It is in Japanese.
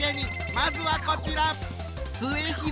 まずはこちら。